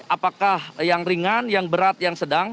apakah yang ringan yang berat yang sedang